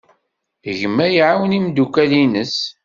Gma iɛawen imeddukal-nnes.